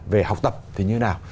về học tập thì như thế nào